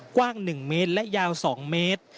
กว้าง๑เมตรและยาว๒เมตร